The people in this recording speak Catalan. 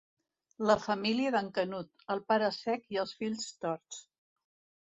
La família d'en Canut, el pare cec i els fills torts.